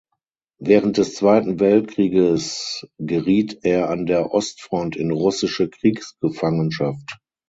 Während des Zweiten Weltkrieges geriet er an der Ostfront in russische Kriegsgefangenschaft.